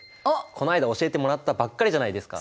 こないだ教えてもらったばっかりじゃないですか。